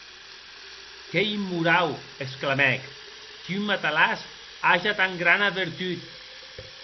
Qu’ei immorau, exclamèc, qu’un matalàs age tan grana vertut!